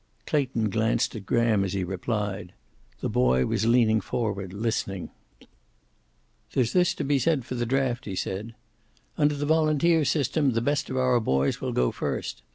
Clayton glanced at Graham as he replied. The boy was leaning forward, listening. "There's this to be said for the draft," he said. "Under the volunteer system the best of our boys will go first.